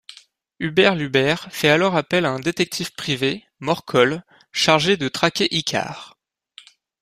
Hubert Luber fait alors appel à un détective privé, Morcol, chargé de traquer Icare.